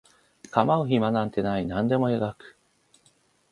構う暇なんてない何でも描く